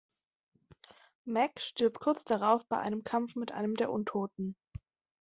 Mac stirbt kurz darauf bei einem Kampf mit einem der Untoten.